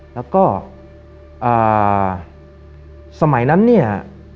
แล้วก็สมัยนั้นเนี่ย